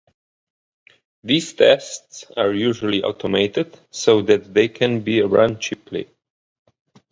These tests are usually automated so that they can be run cheaply.